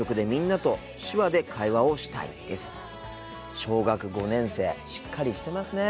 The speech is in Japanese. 小学５年生しっかりしてますね。